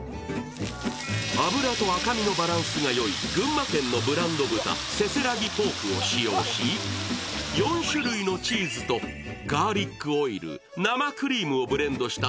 脂と赤身のバランスがよい群馬県のブランド豚、せせらぎポークを使用し４種類のチーズとガーリックオイル、生クリームをブレンドした